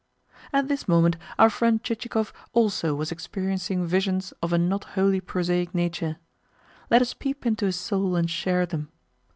At this moment our friend Chichikov also was experiencing visions of a not wholly prosaic nature. Let us peep into his soul and share them.